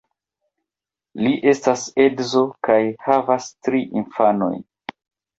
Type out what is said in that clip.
Li estas edzo kaj havas tri infanojn.